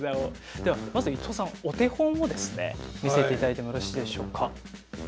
ではまず伊東さんお手本をですね見せていただいてもよろしいでしょうか？